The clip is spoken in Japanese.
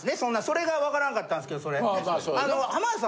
それが分からんかったんですけど。